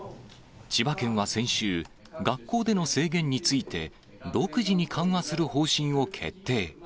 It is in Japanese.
千葉県は先週、学校での制限について、独自に緩和する方針を決定。